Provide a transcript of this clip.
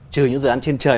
trừ những dự án trên trời